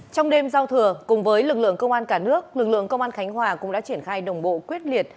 trong đêm giao thừa cùng với lực lượng công an cả nước lực lượng công an khánh hòa cũng đã triển khai đồng bộ quyết liệt